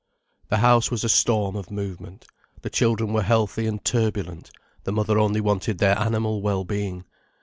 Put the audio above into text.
The house was a storm of movement. The children were healthy and turbulent, the mother only wanted their animal well being.